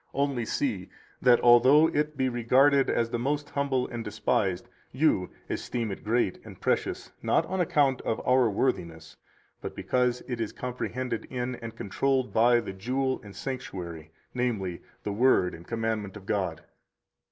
Only see that, although it be regarded as the most humble and despised, you esteem it great and precious, not on account of our worthiness, but because it is comprehended in, and controlled by, the jewel and sanctuary, namely, the Word and commandment of God.